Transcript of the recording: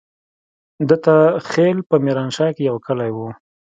دته خېل په ميرانشاه کې يو کلی وو.